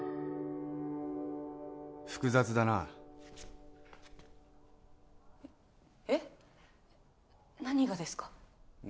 複雑だなえっ何がですか？